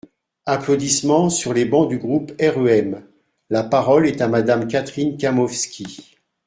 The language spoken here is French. (Applaudissements sur les bancs du groupe REM.) La parole est à Madame Catherine Kamowski.